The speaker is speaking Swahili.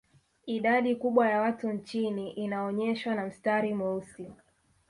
Idadi kubwa ya watu nchini inaonyeshwa na mstari mweusi